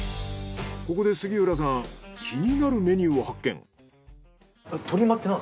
ここで杉浦さん気になるメニューを発見。